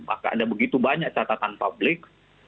maka ada begitu banyak catatan publik